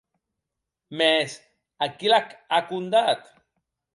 Mès, a qui l’ac a condat?